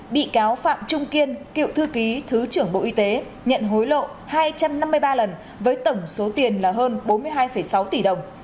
bị cáo phạm trung kiên cựu thư ký thứ trưởng bộ y tế nhận hối lộ hai trăm năm mươi năm